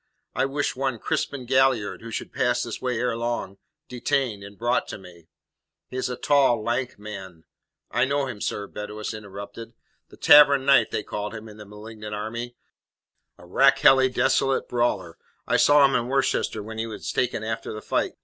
I wish one Crispin Galliard, who should pass this way ere long, detained, and brought to me. He is a tall, lank man " "I know him, sir," Beddoes interrupted. "The Tavern Knight they called him in the malignant army a rakehelly, dissolute brawler. I saw him in Worcester when he was taken after the fight."